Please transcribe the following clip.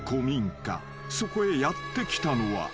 ［そこへやって来たのは］